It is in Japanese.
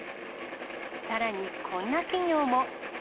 さらにこんな企業も。